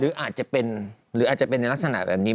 หรืออาจจะเป็นในลักษณะแบบนี้